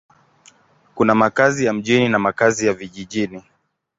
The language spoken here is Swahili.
Kuna makazi ya mjini na makazi ya vijijini.